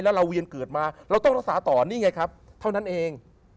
แล้วเราเวียนเกิดมาเราต้องรักษาต่อนี่ไงครับเท่านั้นเอง